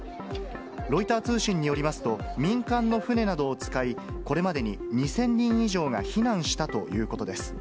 ロイター通信によりますと、民間の船などを使い、これまでに２０００人以上が避難したということです。